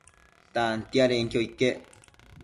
Tantiadenquio iquec